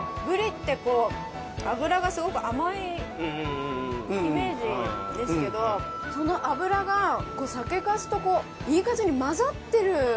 ブリってこう脂がすごく甘いイメージですけどその脂が酒粕といい感じに混ざってる。